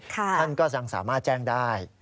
ท่านก็ยังสามารถแจ้งได้